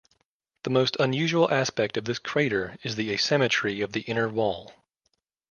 The most unusual aspect of this crater is the asymmetry of the inner wall.